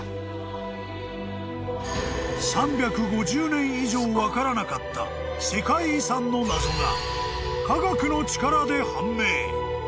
［３５０年以上分からなかった世界遺産の謎が科学の力で判明］